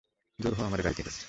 দুর হ আমার গাড়ি থেকে!